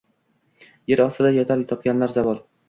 Yer ostida yotar topganlar zavol.